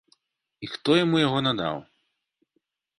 І хто яму яго надаў?